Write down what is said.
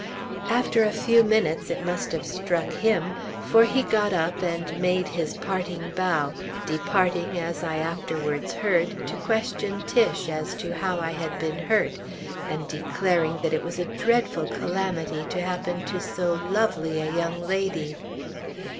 After a few moments it must have struck him; for he got up and made his parting bow, departing, as I afterwards heard, to question Tiche as to how I had been hurt, and declaring that it was a dreadful calamity to happen to so "lovely" a young lady.